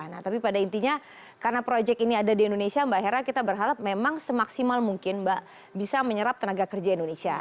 nah tapi pada intinya karena proyek ini ada di indonesia mbak hera kita berharap memang semaksimal mungkin mbak bisa menyerap tenaga kerja indonesia